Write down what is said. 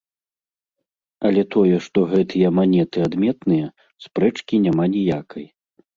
Але тое, што гэтыя манеты адметныя, спрэчкі няма ніякай.